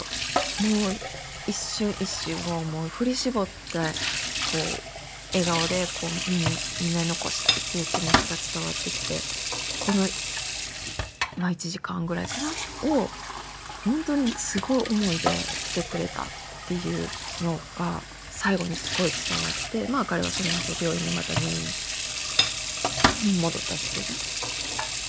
もう一瞬一瞬を振り絞ってこう笑顔でみんなに残したいっていう気持ちが伝わってきてこのまあ１時間ぐらいかな？をホントにすごい思いで来てくれたっていうのが最後にすごい伝わって彼はそのあと病院にまた入院戻ったんですけどね